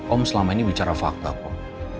om selama ini bicara fakta om